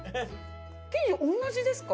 生地同じですか？